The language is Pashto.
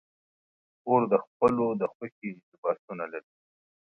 خور د خپلو د خوښې لباسونه لري.